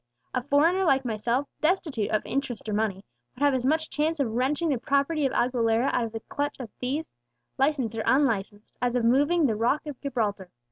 A foreigner like myself, destitute of interest or money, would have as much chance of wrenching the property of Aguilera out of the clutch of thieves, licensed or unlicensed, as of moving the rock of Gibraltar.